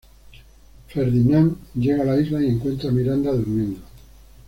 Ferdinand llega a la isla y encuentra a Miranda durmiendo.